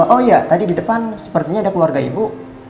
oh iya tadi di depan sepertinya ada keluarga ibu